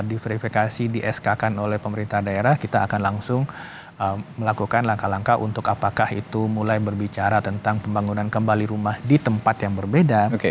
diverifikasi di sk kan oleh pemerintah daerah kita akan langsung melakukan langkah langkah untuk apakah itu mulai berbicara tentang pembangunan kembali rumah di tempat yang berbeda